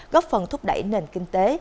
góp phần thúc đẩy nền kinh tế